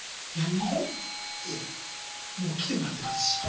いえもう来てもらってますし。